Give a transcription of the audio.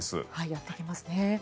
やってきますね。